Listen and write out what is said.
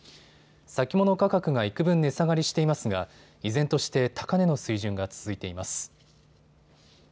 先物価格がいくぶん値下がりしていますが依然として高値の水準が続いています。